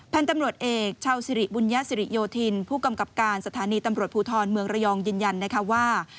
พันธุ์ตำรวจเอกชาวสิริบุญญาสิริโยธินผู้กำกับการสถานีตำรวจภูทรเมืองระยองยืนยันนะคะว่า